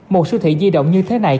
một siêu thị di động như thế này